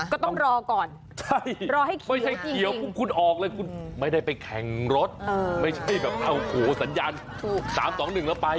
ก็ต้องรอก่อนรอให้เขียวจริง